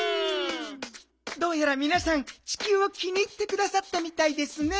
「どうやらみなさんちきゅうを気に入ってくださったみたいですね」。